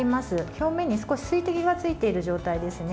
表面に少し水滴がついている状態ですね。